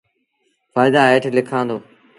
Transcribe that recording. ڦآئيدآ هيٺ لکآݩ دو۔